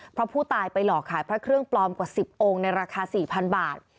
เพราะผู้ตายไปหลอกขายพระเครื่องปลอมกว่า๑๐องค์ในราคา๔๐๐๐บาท